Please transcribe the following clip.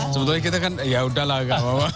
sebetulnya kita kan ya udahlah